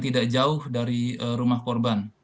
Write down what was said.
tidak jauh dari rumah korban